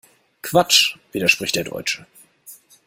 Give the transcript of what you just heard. Quatsch!, widerspricht der Deutsche.